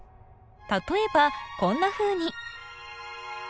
例えばこんなふうに。